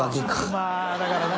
まぁだからな。